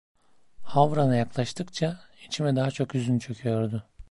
Havran'a yaklaştıkça içime daha çok hüzün çöküyordu.